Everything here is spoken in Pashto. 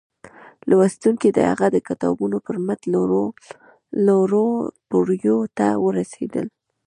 لوستونکي د هغه د کتابونو پر مټ لوړو پوړيو ته ورسېدل